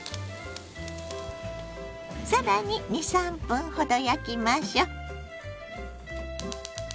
更に２３分ほど焼きましょ。